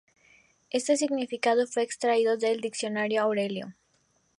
Este significado fue extraído del diccionario Aurelio.